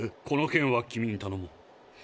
この件は君にたのもう。